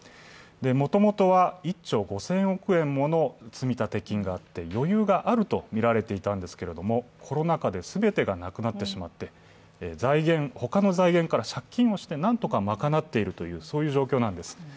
もともとは１兆５０００億円もの積立金があって余裕があると見られていたんですが、コロナ禍で全てがなくなってしまって、他の財源から借金をして何とか賄っているという状況なんです。